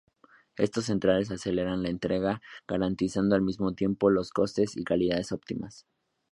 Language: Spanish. Estos centros aceleran la entrega garantizando al mismo tiempo los costes y calidad óptimas.